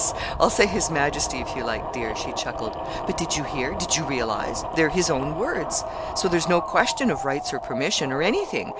I'll say 'His Majesty' if you like, dear," she chuckled. "But did you hear did you realize? They're his own words, so there's no question of rights or permission, or anything.